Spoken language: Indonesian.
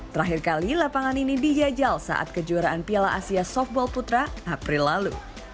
terakhir kali lapangan ini dijajal saat kejuaraan piala asia softball putra april lalu